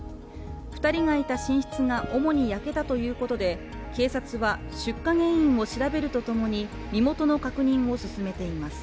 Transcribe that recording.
２人がいた寝室が主に焼けたということで、警察は出火原因を調べるとともに、身元の確認を進めています。